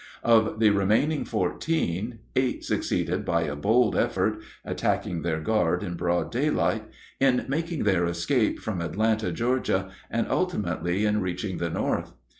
Of the remaining fourteen, eight succeeded by a bold effort attacking their guard in broad daylight in making their escape from Atlanta, Georgia, and ultimately in reaching the North.